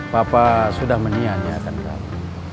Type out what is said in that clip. papa sudah menyianyikan kamu